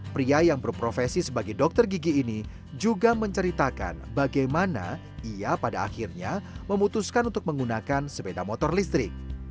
pria yang berprofesi sebagai dokter gigi ini juga menceritakan bagaimana ia pada akhirnya memutuskan untuk menggunakan sepeda motor listrik